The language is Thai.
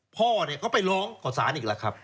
พ่อก็ไปร้องของสารอีกแล้วครับ